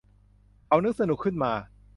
เขานึกสนุกขึ้นมา